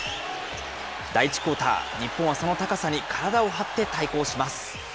第１クオーター、日本はその高さに体を張って対抗します。